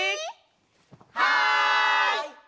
はい！